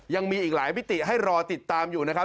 ยังมีอีกหลายมิติให้รอติดตามอยู่นะครับ